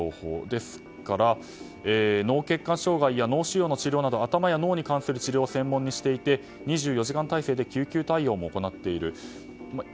ですから、脳血管障害や脳腫瘍などの治療を専門としていて２４時間態勢で救急対応も行っている。